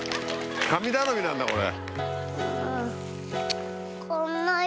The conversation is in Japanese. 神頼みなんだこれ。